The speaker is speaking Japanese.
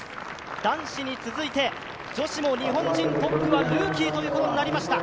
男子に続いて女子も日本人トップはルーキーということになりました。